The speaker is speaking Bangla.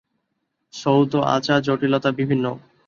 শ্রৌত আচার জটিলতা বিভিন্ন।